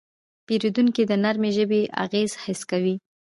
پیرودونکی د نرمې ژبې اغېز حس کوي.